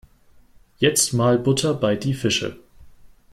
Jetzt mal Butter bei die Fische.